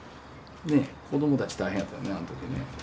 子どもたち大変やったねあの時ね。